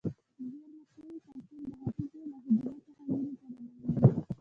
زیرمه شوي کلسیم د هډوکو له حجرو څخه وینې ته ننوزي.